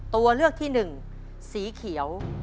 ตัวเลือกที่หนึ่งสีเขียว